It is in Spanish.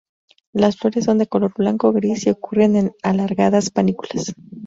Las flores son de color blanco o gris, y ocurren en alargadas panículas.